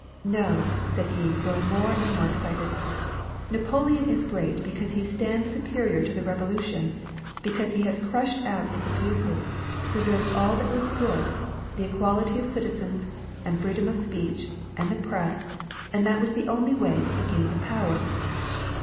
" No," said he, growing more and more excited, " Napoleon is great because he stands superior to the revolution, because he has crushed out its abuses, preserving all that was good — the equality of citizens, and freedom of speech, and the press, and that was the only way that he gained the power."